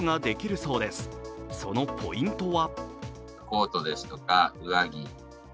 そのポイントは？